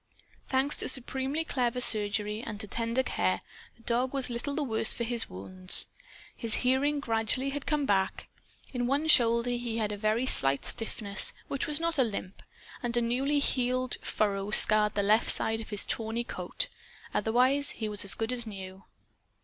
Thanks to supremely clever surgery and to tender care, the dog was little the worse for his wounds. His hearing gradually had come back. In one shoulder he had a very slight stiffness which was not a limp, and a new healed furrow scarred the left side of his tawny coat. Otherwise he was as good as new.